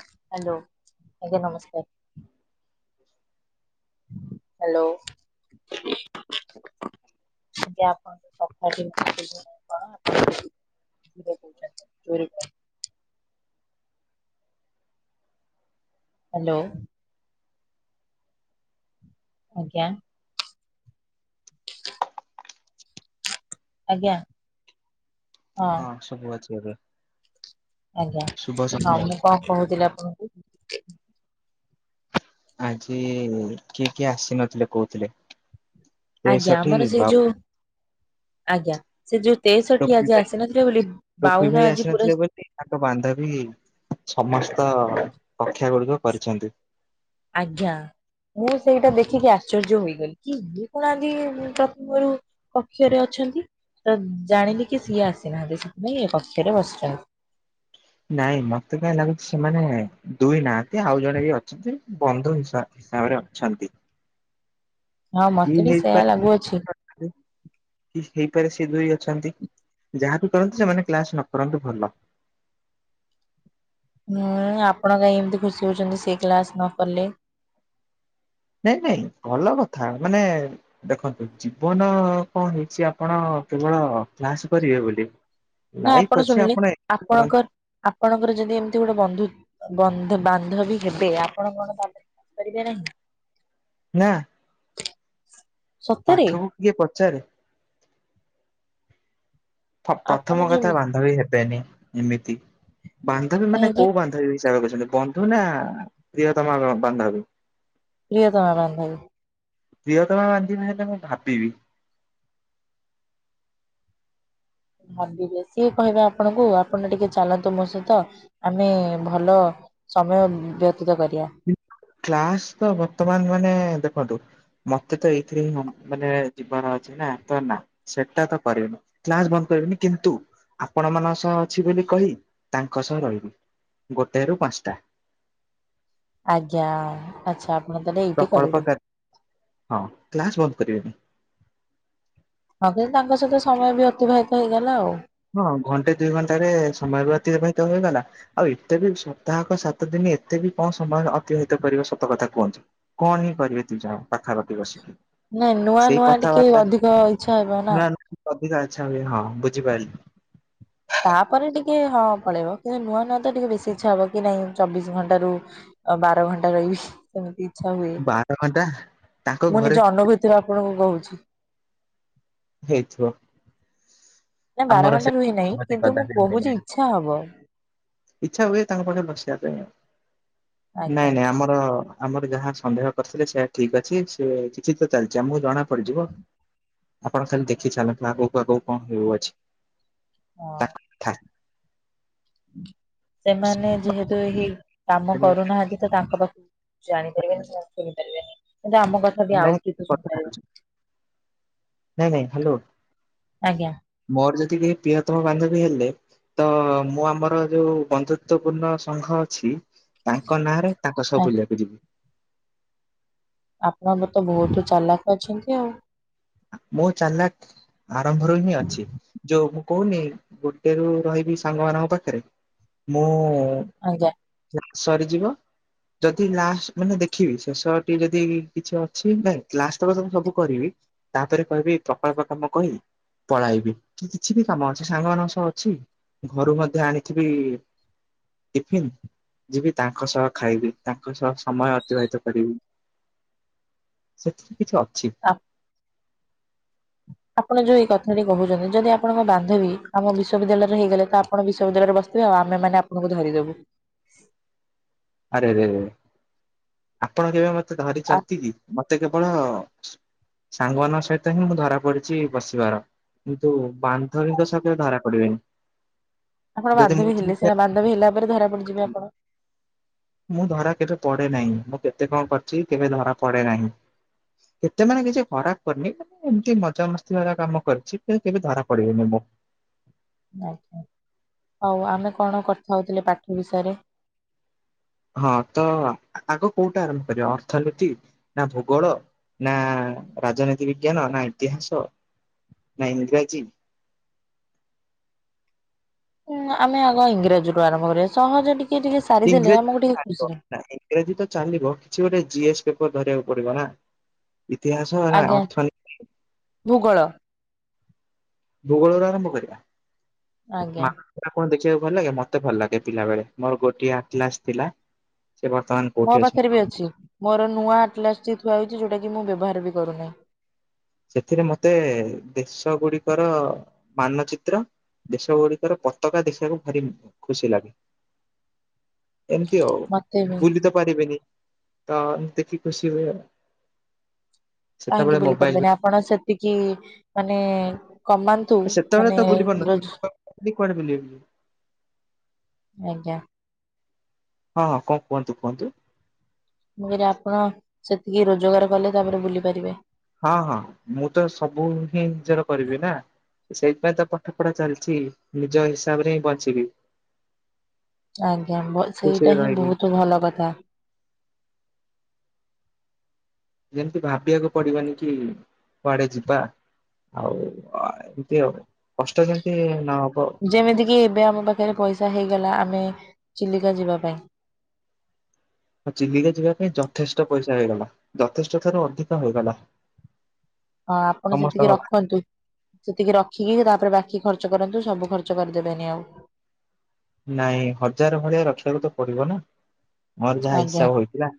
Hello ଆଜ୍ଞା ନମସ୍କାର। Hello. ଯଦି ଆପଣ [inaudible] ଧିରେ କହୁଛନ୍ତି ଜୋରେ କୁହ। ହାଲୋ। ଆଜ୍ଞା। ଆଜ୍ଞା। ହଁ ଶୁଭୁ ଅଛି ଏବେ। ଆଜ୍ଞା ଶୁଭ ହଁ ସନ୍ଧ୍ୟା ମୁଁ କଣ କହୁଥିଲି ଆପଣଙ୍କୁ? ଆଜି କିଏ କିଏ ଆସିନଥିଲେ କହୁଥିଲେ। ଆଜ୍ଞା ତେଷଠି ଆମର ସେଇ ବା ଯୋଉ, ଆଜ୍ଞା ସେ ଯୋଉ ତେଇଷଠି ଟୋପି ଆଜି ଭାଇ ଆସିନଥିଲେ ବୋଲି ଟୋପି ବାଉନ ଭାଇ ଆଜି ପୁରା ଆସିନଥିଲେ ତାଙ୍କ ବାନ୍ଧବୀ ସମସ୍ତ କକ୍ଷା ଗୁଡିକ କରିଛନ୍ତି। ଆଜ୍ଞା। ମୁଁ ସେଇଟା ଦେଖିକି ଆଶ୍ଚର୍ଯ୍ୟ ହୋଇଗଲି କି ଇଏ କଣ ଆଜି ପ୍ରଥମରୁ କକ୍ଷରେ ଅଛନ୍ତି। ତ ଜାଣିଲି କି ସିଏ ଆସିନାହାନ୍ତି, ସେଥିପାଇଁ ଏ କକ୍ଷରେ ବସିଛନ୍ତି। ନାଇଁ ମୋତେ କାହିଁ ଲାଗୁଛି ସେମାନେ ଦୁଇ ନାହାନ୍ତି ଆଉ ଜଣେ ବି ଅଛନ୍ତି। ବନ୍ଧୁ ହିସା ହିସାବରେ ଅଛନ୍ତି। ହଁ କି ମତେ ବି ସେୟା ଲାଗୁଅଛି ହେଇପାରେ [inaudible] କି ହେଇପାରେ ସେ ଦୁଇ ଅଛନ୍ତି। ଯାହା ବିି କରନ୍ତୁ ସେମାନେ କ୍ଲାସ୍ ନ କରନ୍ତୁ ଭଲ। ହୁଁ ଆପଣ କାହିଁ ଏମିତି ଖୁସି ହଉଛନ୍ତି ସେ କ୍ଲାସ୍ ନ କଲେ। ନାଇଁ ନାଇଁ ଭଲ କଥା ମାନେ ଦେଖନ୍ତୁ ଜୀବନ କଣ ହେଇଛି ଆପଣ କେବଳ କ୍ଲାସ କରିବେ ବୋଲି। ନା ଲାଇଫ ଆପଣ ଅଛି ଶୁଣିଲେ ଏଞୟ ଆପଣଙ୍କ କରନ୍ତୁ ଆପଣଙ୍କର ଯଦି ଏମିତି ଗୋଟେ ବନ୍ଧୁ ବନ୍ଧୁ ବାନ୍ଧବୀ ହେବେ ଆପଣ କଣ ତାହେଲେ କରିବେ ନାହିଁ। ନା। ସତରେ ପାଠକୁ କିଏ ପଚାରେ? ଆପଣ ପ୍ରଥମ କଥା ଯୋଉ ବାନ୍ଧବୀ ହେବେନି ଏମିତି ବାନ୍ଧବୀ ମାନେ କାହିଁକି କୋଉ ବାନ୍ଧବୀ? ଭାବୁଛନ୍ତି ବନ୍ଧୁ ନା ପ୍ରିୟ ତମା ବାନ୍ଧବୀ। ପ୍ରିୟତମା ବାନ୍ଧବୀ। ପ୍ରିଅତମା ବାନ୍ଧବି ହେଲେ ମୁଁ ଭାବିବି। ଭାବିବେ ସେ କହିବେ ଆପଣଙ୍କୁ ଆପଣ ଟିକେ ଚାଲନ୍ତୁ ମୋ ସହିତ ଆମେ ଭଲ ସମୟ ବ୍ୟତୀତ କରିବା। କ୍ଲାସ ତ ବର୍ତ୍ତମାନ ମାନେ ଦେଖନ୍ତୁ ମତେ ତ ଏଇଥିରେ ହିଁ ମାନେ ଯିବାର ଅଛି ନା ତ ନା ସେଟା ତ କରିବିନୀ। କ୍ଲାସ ବନ୍ଦ କରିବିନି କିନ୍ତୁ ଆପଣ ମାନଙ୍କ ସହ ଅଛି ବୋଲି କହି ତାଙ୍କ ସହ ରହିବି। ଗୋଟଏ ରୁ ପାଞ୍ଚଟା। ଆଜ୍ଞା ଆଛା। ପ୍ରକଳ୍ପ କା ହଁ କ୍ଲାସ ବନ୍ଦ କରିବେନି। ହଁ କି ତାଙ୍କ ସହିତ ସମୟ ବି ଅତିବାହିତ ହେଇଗଲା ଆଉ ହଁ ଘଣ୍ଟେ ଦୁଇ ଘଣ୍ଟାରେ ସମୟ ବି ଅତିବାହିତ ହେଇଗଲା। ଆଉ ଏତେ ବି ସପ୍ତାହକ ସାତ ଦିନ ଏତେ ବି କଣ ସମାୟ ଅତିବାହିତ କରିବା ସତ କଥା କୁହନ୍ତୁ? କଣ ହିଁ କରିବେ ଦୁଇଜଣ ପାଖାପାଖି ବସିକି ନାଇଁ ନୂଆ ସେଇ ନୂଆ ଟିକେ କଥାବାର୍ତ୍ତା ଅଧିକ ଇଛା ହେବ ନା। ନୂଆ ନୂଆ ଅଧିକା ଆଚ୍ଛା ହୁଏ ହଁ ବୁଝିପାରିଲି। ତାପରେ ଟିକେ ହଁ ପଳେଇବ କିନ୍ତୁ ନୂଆ ନୂଆ ତ ଟିକେ ବେଶୀ ଇଚ୍ଛା ହବ କି ନାଇଁ ଚବିଶ ଘଣ୍ଟା ରୁ ଅ ବାର ଘଣ୍ଟା ରହିବି ସେମିତି ଇଛା ହୁଏ ବାର ଘଣ୍ଟା ତାଙ୍କ ମୁଁ ଘରେ ନିଜ ଅନୁଭୁ ତି ର ଆପଣଙ୍କୁ କହୁଛି। ହେଇଥିବ। ନାଇ ବାର ଆମର ସେ ଘଣ୍ଟା ରୁହେ ନାହିଁ କିନ୍ତୁ ମୁଁ କହୁଛି ଇଚ୍ଛା ହବ। ଇଛା ହୁଏ ତାଙ୍କ ପାଖେ ବସିବା ପାଇଁ ଆଜ୍ଞା ନାଇଁ ନାଇଁ ଆମର ଆମର ଯାହା ସନ୍ଦେହ କରିଥିଲେ ସେଇ ଠିକ ଅଛି ସେ କିଛି ତ ଚାଲିଛି ଆମକୁ ଜଣା ପଡିଯିବ। ଆପଣ ଖାଲି ଦେଖି ଚାଲନ୍ତୁ ଆଗକୁ ଆଗକୁ କଣ ହେଉଅଛି ହଁ ତା କଥା ସେମାନେ ଯେହେତୁ ଏଇ କାମ କରୁନାହାନ୍ତି ତ ତାଙ୍କ ତା ପାଖକୁ ଜାଣିପାରିବେନି ସେମାନେ ଶୁଣିପାରିବେନି କିନ୍ତୁ ଆମ କ ନାଇଁ କଥା ହେଉଚି ନାଇଁ ନାଇଁ ହ୍ୟାଲୋ ଆଜ୍ଞା ମୋର ଜେତିକି ପ୍ରିୟତମ ବାନ୍ଧବୀ ହେଲେ ତ ମୁଁ ଆମର ଯୋଉ ବନ୍ଧୁତ୍ୱପୂର୍ଣ୍ଣ ସଂଘ ଅଛି ତାଙ୍କ ନାଁରେ ତାଙ୍କ ସହ ଆଜ୍ଞା ବୁଲିବାକୁ ଯିବି। ଆପଣ ମ ତ ବହୁତ ଚାଲାକ ଅଛନ୍ତି ଆଉ। ମୁଁ ଚାଲାକ ଆରମ୍ଭରୁ ହିଁ ଅଛି ଯୋଉ ମୁଁ କହୁନି ଗୋଟେ ରୁ ରହିବି ସାଙ୍ଗ ମାନଙ୍କ ପାଖରେ ମୁଁ ଆଜ୍ଞା ସରିଯିବ ଯଦି ଲାଷ୍ଟ ମାନେ ଦେଖିବି ଶେଷ ଟି ଯଦି କିଛି ଅଛି ନା କ୍ଲାସ ତକ ସବୁ କରିବି। ତାପରେ କହିବି ପ୍ରକଳ୍ପ କାମ କହି ପଳାଇବି କି କିଛି ବି କାମ ଅଛି ସାଙ୍ଗମାନାନଙ୍କ ସହ ଅଛି ଘରୁ ମଧ୍ୟ ଆଣିଥିବି ଟିଫିନ- ଯିବି ତାଙ୍କ ସହ ଖାଇବି। ତାଙ୍କ ସହ ସମୟ ଅତିବାହିତ କରିବି। ସେଥିରେ କିଛି ଅଛି? ନା [unintelligible] ଆପଣ ଯୋଉ ଏଇ କଥା ଟି କହୁଛନ୍ତି। ଯଦି ଆପଣଙ୍କ ବାନ୍ଧବୀ ଆମ ବିଶ୍ୱବିଦ୍ୟାଳୟରେ ହେଇଗଲେ। ତ- ଆପ ବିଶ୍ୱବିଦ୍ୟାଳୟରେ ବସିବେ ଆଉମେମାନେେ ଆଣଙ୍କୁ ଧରିଦବୁ। ଆରେରେରେ ଆପଣ କେବେ ମତେ- ମତେ ଆ ଧାରିଛନ୍ତି କି? ମତେ କେବଳ- ସାଙ୍ଗମାନଙ୍କ ସହିତ ହିଁ ମୁଁ ଧରା ପଡିଛି ବସିବାର କିନ୍ତୁ ବାନ୍ଧବୀଙ୍କ ସତ ଧରା ପଡିବେନି। ଆପଣ ଯଦି ମୁଁ ବାନ୍ଧବୀ ଏଠି ହେଲେ ସେନା ବାନ୍ଧବୀ ହେଲା ପରେ ଧରା ପଡି ଯିବେ ଆପଣ। ମୁଁ ଧରା କେବେ ପଡେ ନାହିଁ। ମୁଁ କେତେ କଣ କରିଛି କେବେ ଧରା ପଡେ ନାହିଁ। କେତେ ମାନେ କିଛି ଖରାପ କରିନି। ଏମିତି ମଜାମସ୍ତି ବାଲା କାମ କରିଛି। କି କେବେ ଧରା ପଡିବେନି ମୁଁ। ଆ୍। ହଉ ଆମେ କଣ କରିଥା ହଉଥିଲେ ପାଠ ବିଷୟରେ? ହଁ ତ ଆଗ କୋଉଟା ଆରମ୍ଭ କରିବା ଅର୍ଥନୀତି ନା ଭୂଗୋଳ? ନା ରାଜନୀତି ବିଜ୍ଞାନ ନା ଇତିହାସ ନା ଇଂରାଜୀ? ହୁଁ ଆମେ ଆଗ ଇଂରାଜୀରୁୁ ଆରମ୍ଭ କରିବା। ସହଜ ଟିକେ ଟିକେ ସାରିଦଲେ ଇଂରାଜୀ ଆମକୁ ଟିକେ ଚାଲିବ ଖୁସିରେ- ନା ଇଂରାଜୀ ତ ଚାଲିବ କିଛି ଗୋଟେ ଜିଏସ୍ ପେପର ଧରିବାକୁ ପଡିବ ନା, ଇତିହାସ ନା ଆଜ୍ଞା ଅର୍ଥନୀତି ଭୂଗୋଳ। ଭୂଗଳୋର ଆରମ୍ଭ କରିବା। ଆଜ୍ଞା। ନା କଣ ଦେଖିବାକୁ ଭଲ ଲାଗେ ମତେ ଭଲ ଲାଗେ ପିଲାେଳେ ମୋର ଗୋଟିଏ ଆ କ୍ଲାସ ଥିଲା ସେ ବର୍ତ୍ତମାନ- ମୋ ପାଖରେ ବି ଅଛି। ମୋର ନୂଆ ଆଟଲା ଥୁଆ ହେଉଛି। ଯୋଉଟା କି ମୁଁ ବ୍ୟବହାର ବି କରୁନାହିଁ। ସେଥିରେ ମତେ ଦେଶ ଗୁଡିକର ମାନଚିତ୍ର - ଦେଶ ଗୁଡିକର ପତାକା ଦେଖିବାକୁ ଭାରି ଖୁସି ଲାଗେ। [inaudible] ଏମିତି ହଉ ମତେ ବି ବୁଲି ତ ପାରିବେନି, ତ ଦେଖି ଖୁସି ହୁଏ ଆଉ। କାହିଁକି ସେତେବେଳେ ବୁଲି ମୋବାଇଲ ପାରିବେନି। ଆପଣ ସେତିକି ମାନେ କମା - ସେତେବେଳେ ତ ବୁଲି ପାରୁନଥିଲି, କୁଆଡେ ବୁଲିବି? ଆଜ୍ଞା। ହଁ ହଁ କଣ କୁହନ୍ତୁ କୁହନ୍ତୁ। ମୁଁ ଆପଣ ସେତିକି ରୋଜଗାର କଲେ ତାପରେ ବୁଲି ପାରିବେ। ହଁ ହଁ ମୁଁ ତ ସବୁ ହିଁ ନିଜର କରିବି ନା। ସେଇଥିପାଇଁ ତ ପାଠ ପଢା ଚାଲିଛି ନିଜ ହିସାବରେ ହିଁ ବଞ୍ଚିବି। ଆଜ୍ଞା ଖୁସିରେ ସେଇଟା ହିଁ ରହିବି। ବହୁତ ଭଲ କଥା। ଯେମିତି ଭାବିବାକୁ ପଡିବନି କି କୁଆଡେ ଯିବା। ଆଉ ଏମିତି ଆଉ କଷ୍ଟ ଯେମିତି ନହବ। ଯେମିତି କିି ଏବେ ଆମ ପାଖରେ ପଇସା ହେଇଗଲା। ଆମେ ଚିଲିକା ଯିବା ପାଇଁ। ଆ ଚିଲିକା ଯିବା ପାଇଁ ଯଥେଷ୍ଟ ପଇସା ହେଇଗଲା। ଯଥେଷ୍ଟ ଠାରୁ ଅଧିକ ହେଇଗଲା। ହଁ ଆପଣ ସମସ୍ତଙ୍କ ସେତିକି ପାଇଁ। ରଖନ୍ତୁ। ସେତିକି ରଖିକି ତାପରେ ବାକି ଖର୍ଚ୍ଚ କରନ୍ତୁ। ସବୁ ଖର୍ଚ୍ଚ କରିଦେବେନି ଆଉ। ନାଇଁ ହଜାର ଭଳିଆ ରଖିବାକୁ ତ ପଡିବ ନା! ମୋର ଯାହା ଆଜ୍ଞା। ହିସାବ ହେଇଥିଲା।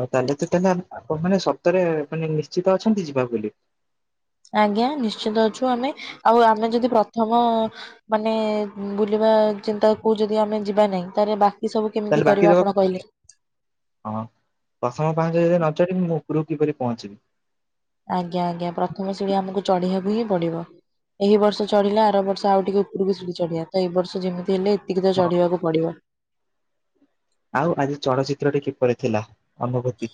ଆଉ ତାହେଲେ ତ ତାହେଲେ ଆପଣ ମାନେ ସତରେ ମାନେ ନିଶ୍ଚିତ ଅଛନ୍ତି ଯିବା ବୋଲି? ଆଜ୍ଞା ନିଶ୍ଚିତ ଅଛୁ ଆମେ ଆଉ ଆମେ ଯଦି ପ୍ରଥମ- ମାନେ ବୁଲିବା ଚିନ୍ତା କୁ ଯଦି ଆମେ ଯିବା ନାହିଁ ତାହେଲେ ବା- ଏ ସବୁ ତାହେଲେ କେମିତି ବାକି କରିବା ତକ ଆପଣ କହିଲେ? ହଁ ପ୍ରଥମ ପାହଁଚ ଯଦି ନ ଚଢିବି ମୁଁ ଉପରକୁ କିପରି ପହଞ୍ଚିବି? ଆଜ୍ଞା ଆଜ୍ଞା ପ୍ରଥମ ସିଡ଼ି ଆମକୁ ଚଢିବାକୁ ହିଁ ପଡିବ। ଏହି ବର୍ଷ ଚଢିଲେ, ଆର ବର୍ଷ ଆଉ ଟିକେ ଉପରକୁ ଚଢିବା, ତ ଏଇ ବର୍ଷ ଯେମିତି ହେଲେ ଏତିକି ତ ହଁ। ଚଢିବାକୁ ପଡିବ। ଆଉ ଆଜି ଚଳଚିତ୍ରଟି କିପରି ଥିଲା ଅନୁଭୂତି?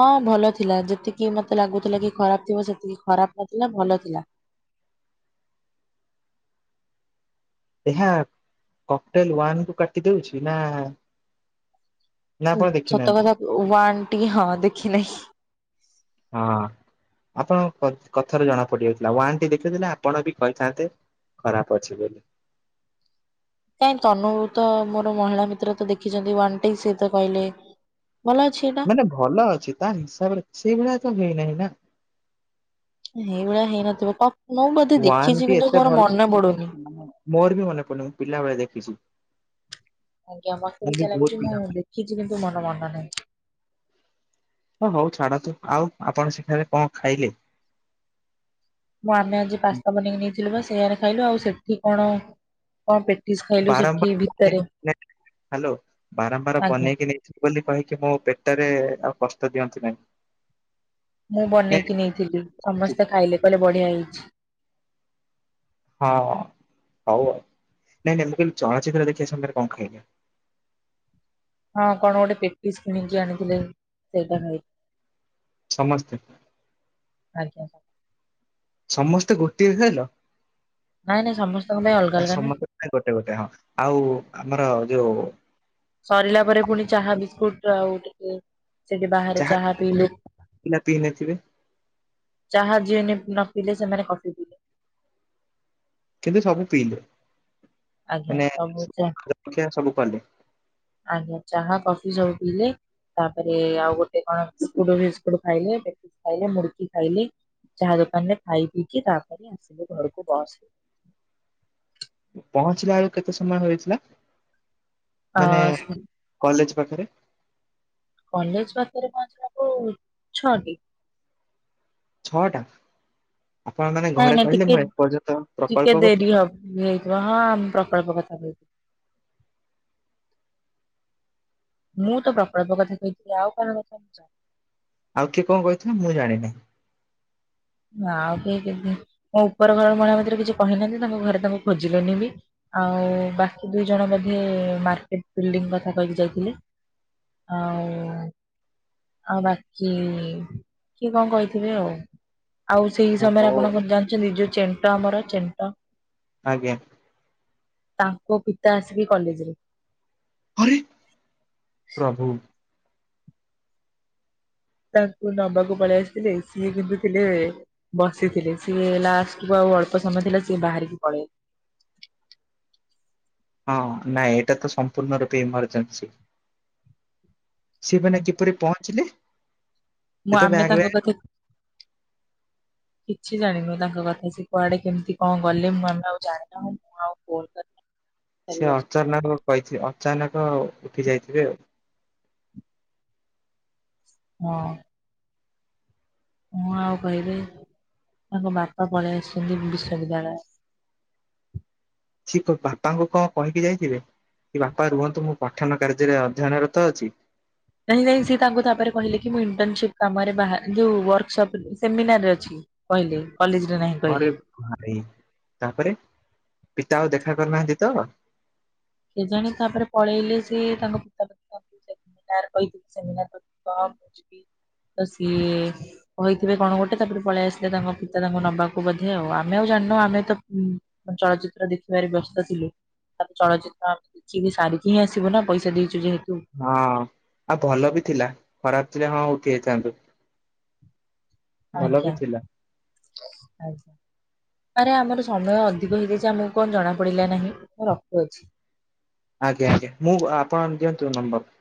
ହଁ ଭଲ ଥିଲା। ଯେତିକି ମତେ ଲାଗୁଥିଲା କି ଖରାପ ଥିବ, ସେତିକି ଖରାପ ନଥିଲା ଭଲ ଥିଲା। ଏହା କକ୍ଟେଲ୍ ୱାନକୁ କାଟି ଦଉଛି ନା? ନା ଆପଣ ସତ ଦେଖିନାହାନ୍ତି? କଥା ୱାନ୍ ଟିକି, ହଁ ଦେଖି ନେଇ। ହଁ ଆପଣ କଥାରୁ ଜଣା ପଡିଯାଉଥିଲା। ୱାନ୍ ଟି ଦେଖିଥିଲେ ଆପଣ ବି କହିଥାନ୍ତେ ଖରାପ ଅଛି ବୋଲି। ନାହିଁ ତନୁ ତ ମୋର ମହିଳା ମିତ୍ର ତ ଦେଖିଛନ୍ତି ୱାନ ଟି, ସିଏ ତ କହିଲେ ଭଲ ଅଛି। ଏଇଟା ମାନେ ଭଲ ଅଛି ତା ହିସାବରେ, ସେଇଭଳିଆ ତ ହେଇନାହିଁ ନା? ସେଇଭଳିଆ ହେଇନଥିବ, [unintelligible] ମୁଁ ବୋଧେ ୱାନ ଦେଖିଛି ଟି କିନ୍ତୁ ଏତେ ମୋର ଭଲ ମନେ ପଡୁନି। ମୋର ବି ମନେ ପଡୁନି, ମୁଁ ପିଲାବେଳେ ଦେଖିଛି। ଆଜ୍ଞା ମୋତେ ମୁଁ ବି ସେଇଆ ବହୁତ ଲାଗୁଛି ପିଲା ମୁଁ ଦେଖିଛି, କିନ୍ତୁ ମୋର ମନେ ନାହିଁ। ହଁ ହଉ ଛାଡନ୍ତୁ, ଆଉ ଆପଣ ସେଠାରେ କଣ ଖାଇଲେ? ନାଁ ଆମେ ଆଜି ପାସ୍ତା ବନେଇକି ନେଇଥିଲୁ ବା, ସେଇଆରେ ଖାଇଲୁ ଆଉ। ଆଉ ସେଠି କଣ କଣ ପେଟିସ୍ ଖାଇଲୁ ବାରମ୍ବାର ସେଠି ବନେଇ ଭିତରେ, ହ୍ୟାଲୋ ବାରମ୍ବାର ଆଜ୍ଞା। [unintelligible] ବୋଲି କହିକି ମୋ ପେଟରେ ଆଉ କଷ୍ଟ ଦିଅନ୍ତୁ ନାହିଁ। ମୁଁ ନାଇଁ ବନେଇକି ନେଇଥିଲି, ସମସ୍ତେ ଖାଇଲେ କହିଲେ ବଢିଆ ହେଇଛି। ହଁ ହଉ ଆଉ, ନାଇଁ ନାଇଁ ମୁଁ କହିଲି ଚଳଚିତ୍ର ଦେଖିବା ସମୟରେ କଣ ଖାଇଲେ? ହଁ କଣ ଗୋଟେ ପେଟିସ୍ କିଣିକି ଆଣିଥିଲେ, ସେଇଟା ଖାଇ ସମସ୍ତେ? ଆଜ୍ଞା। ସମସ୍ତେ ଗୋଟିଏ ଖାଇଲ? ନାଇଁ ନାଇଁ ସମସ୍ତଙ୍କ ପାଇଁ ଅଲଗା ଅଲଗା ନା। ନାଇଁ ଗୋଟେ ଗୋଟେ ହଁ, ଆଉ ଆମର ଯୋଉ ସରିଲା ପରେ ଫୁଣି, ଚାହା ବିସ୍କୁଟ ଆଉ ଟିକେ ସେଇଠି ବାହାରେ ଚାହା ପିଇଲୁ। ପିଲା ପିଇ ନଥିବେ ଚାହା ଯିଏ ନେ ନ ପିଇଲେ, ସେମାନେ କଫି ପି କିନ୍ତୁ ସବୁ ପିଇଲେ, ଆଜ୍ଞା ମାନେ ସବୁ ଚା ଜଳଖିଆ ସବୁ କଲେ। ଆଜ୍ଞା ଚାହା, କଫି ସବୁ ପିଇଲେ। ତାପରେ ଆଉ ଗୋଟେ କଣ ବିସ୍କୁଟ ଫିସ୍କୁଟ ଖାଇଲେ, ପେଟିସ୍ ଖାଇଲେ, ମୁଡକି ଖାଇଲେ। ଚାହା ଦୋକାନରେ ଖାଇ ପିଇକି, ତାପରେ ଆସିଲୁ ଘରକୁ ବସ୍ ରେ। ପହଞ୍ଚିଲା ବେଳକୁ କେତେ ସମୟ ହେଇଥିଲା, ମାନେ ଅ କଲେଜ ପାଖେରେ? କଲେଜ ପାଖେରେ ପହଞ୍ଚିଲା ବେଳକୁ ଛଅଟି। ଛଅଟା। ଆପଣ ମାନେ ନାଇଁ ଘରେ ନାଇଁ କହିଲେ, ଟିକେ ମୁଁ ଏପର୍ଯ୍ୟନ୍ତ ଟିକେ ପ୍ରକଳ୍ପ କ ଡେରି ହବ ହେଇଥିବ ହଁ ମୁଁ ପ୍ରକଳ୍ପ କଥା କହି ମୁଁ ତ ପ୍ରକଳ୍ପ କଥା କହିଥିଲି। ଆଉ କଣ କଥା [unintelligible] ଆଉ କିଏ କଣ କହିଥିଲେ, ମୁଁ ଜାଣିନି? ନା ଆଉ କେହି କେମିତି, ମୋ ଉପର ଘର ମହିଳା ଭିତରେ କିଛି କହିନାହାନ୍ତି। ତାଙ୍କ ଘରେ ତାଙ୍କୁ ଖୋଜିଲେନି ବି ଆଉ ବାକି ଦୁଇ ଜଣ ବୋଧେ, ମାର୍କେଟ ବିଲ୍ଡିଂ କଥା କହିକି ଯାଇଥିଲେ। ଆଉ। ଆଉ ବାକି, କିଏ କଣ କହିଥିବେ ଆଉ? ଆଉ ସେଇ ଓ ହଉ। ସମୟରେ, ଆପଣ କଣ ଜାଣିଛନ୍ତି ଯୋଉ ଚେଣ୍ଟ ଆମର ଚେଣ୍ଟ ଆଜ୍ଞା। ତାଙ୍କ ପିତା ଆସିକି କଲେଜରେ। ଆରେ ପ୍ରଭୁ। ତାଙ୍କୁ ନବାକୁ ପଳେଇ ଆସିଥିଲେ। ସିଏ କିନ୍ତୁ ଥିଲେ ବସିଥିଲେ, ସିଏ ଲାଷ୍ଟକୁୁ ଆଉ ଅଳ୍ପ ସମୟ ଥିଲା ସିଏ ବାହାରିକି ପଳେଇ ହଁ ନାଇଁ ଏଇଟା ତ ସମ୍ପୂର୍ଣ୍ଣ ରୂପେ ଇମର୍ଜେନ୍ସି। ସେମାନେ କିପରି ପହଞ୍ଚିଲେ? ସେ ମୁଁ ତ ଆମେ ବ୍ୟାଗ ତାଙ୍କ ବ୍ୟାଗ ପାଖେ କିଛି ଜାଣିନୁ ତାଙ୍କ କଥା। ସେ କୁଆଡେ କେମିତି କଣ ଗଲେ ମୁଁ ଆମେ ଆଉ ଜାଣିନୁ ମୁଁ ଆଉ ଫୋନ୍ କରି ସେ ଅଚାନକ କହିଥି ଅଚାନକ ଉଠି ଯାଇଥିବେ ଆଉ। ହଁ। ମୁଁ ଆଉ କହିବି ତାଙ୍କ ବାପା ପଳେଇ ଆସିଛନ୍ତି ବିଶ୍ଵବିଦ୍ୟାଳୟ। ସିଏ ତୋ ବାପାଙ୍କୁ କଣ କହିକି ଯାଇଥିବେ? କି ବାପା ରୁହନ୍ତୁ ମୁଁ ପଠନ କାର୍ଯ୍ୟରେ ଅଧ୍ୟୟନରତ ଅଛି। ନାଇଁ ନାଇଁ ସିଏ ତାଙ୍କୁ ତାପରେ କହିଲେ କି, ମୁଁ ଇଣ୍ଟର୍ନସିପ୍ କାମରେ ବାହା ଯୋଉ ୱାର୍କସପ ସେମିନାର ରେ ଅଛି। କହିଲେ କଲେଜରେ ନାହିଁ ଘରେ କହିଲେ। ଭାଇ ତାପରେ ପିତା ଆଉ ଦେଖା କରିନାହାନ୍ତି ତ? କେଜାଣି ତାପରେ ପଳେଇଲେ ସିଏ ତାଙ୍କ ପିତା [unintelligible] ତ ସିଏ କହିଥିବେ କଣ ଗୋଟେ ତାପରେ ପଳେଇ ଆସିଲେ ତାଙ୍କ ପିତା ତାଙ୍କ ନବାକୁ ବୋଧେ ଆଉ। ଆମେ ଆଉ ଜାଣିନୁ ଆମେ ତ ଚଳଚ୍ଚିତ୍ର ଦେଖିବାରେ ବ୍ୟସ୍ତ ଥିଲୁ, ତାପରେ ଚଳଚି ତ ଆମେ ଦେଖିକି ସାରିକି ହିଁ ଆସିବୁ ନା ପଇସା ଦେଇଛୁ ଯେହେତୁ। ହଁ ଆଉ ଭଲ ବି ଥିଲା ଖରାପ ଥିଲେ ହଁ ଉଠି ଆଇଥାନ୍ତୁ। ଆଜ୍ଞା ଥିଲା। ଆଜ୍ଞା। ଆରେ ଆମର ସମୟ ଅଧିକ ହେଇଯାଇଛି ଆମକୁ କଣ ଜଣା ପଡିଲା ନାହିଁ ମୁଁ ରଖୁଅଛି। ଆଜ୍ଞା ଆଜ୍ଞା ମୁଁ ଆପଣ ଦିଅନ୍ତୁ ନମ୍ବର।